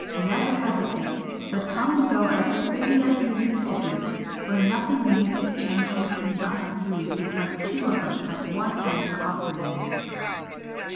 Never hesitate, but come and go as freely as you used to do, for nothing need be changed between us three because two of us have one home to offer you."